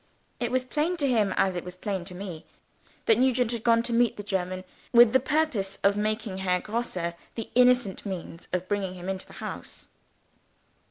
It was plain to him, as it was plain to me, that Nugent had gone to meet the German, with the purpose of making Herr Grosse the innocent means of bringing him into the house.